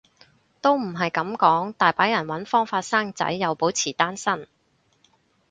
都唔係噉講，大把人搵方法生仔又保持單身